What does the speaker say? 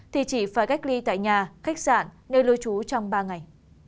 thì chỉ phải cách ly tại nhà khách sạn nơi lưu trú trong ba ngày